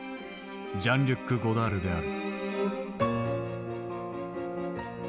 ジャン・リュック・ゴダールである。